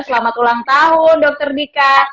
selamat ulang tahun dokter dika